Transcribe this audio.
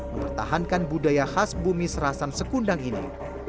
mempertahankan budaya khas bumi serasan sekundang ini